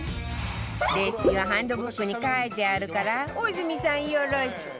レシピはハンドブックに書いてあるから大泉さんよろしく！